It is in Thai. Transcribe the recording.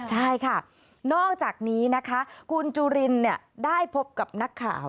ใช่ค่ะนอกจากนี้นะคะคุณจุลินได้พบกับนักข่าว